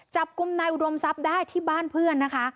จับกลุ่มนายอุดมทรัพย์ได้ที่บ้านเพื่อนนะคะ